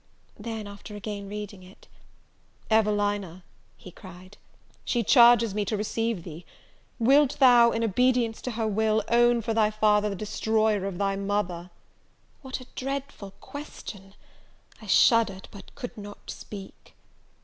Then, after again reading it, "Evelina," he cried, "she charges me to receive thee; wilt thou, in obedience to her will, own for thy father the destroyer of thy mother?" What a dreadful question! I shuddered, but could not speak.